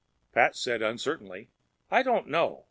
Pat said uncertainly, "I don't know.